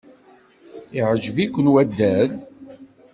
Iεǧeb-wen waddal?